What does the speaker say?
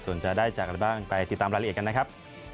ส่วนจะได้จากอะไรบ้างไปติดตามรายละเอียดกันนะครับ